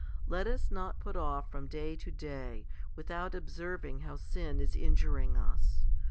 Let us not put off from day to day, without observing how sin is injuring us.